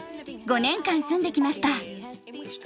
５年間住んできました。